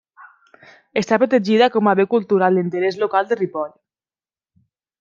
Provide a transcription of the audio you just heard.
Està protegida com a bé cultural d'interès local de Ripoll.